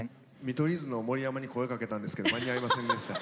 見取り図の盛山に声かけたんですけど間に合いませんでした。